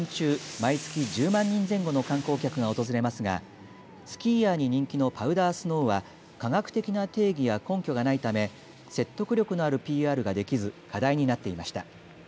毎月１０万人前後の観光客が訪れますがスキーヤーに人気のパウダースノーは科学的な定義や根拠がないため説得力のあるＰＲができず課題になっていました。